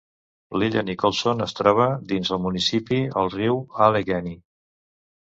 L'illa Nicholson es troba dins el municipi al riu Allegheny.